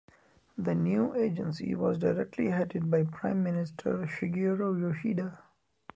The new agency was directly headed by Prime Minister Shigeru Yoshida.